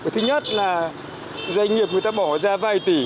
thứ nhất là doanh nghiệp người ta bỏ ra vài tỷ